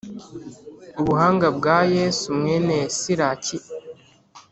ubuhanga bwa Yezu, mwene Siraki.